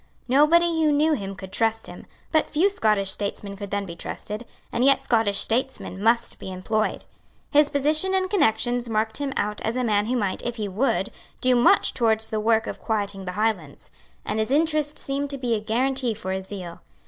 Nobody who knew him could trust him; but few Scottish statesmen could then be trusted; and yet Scottish statesmen must be employed. His position and connections marked him out as a man who might, if he would, do much towards the work of quieting the Highlands; and his interest seemed to be a guarantee for his zeal.